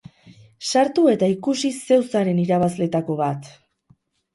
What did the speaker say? Sartu eta ikusi zeu zaren irabazleetako bat!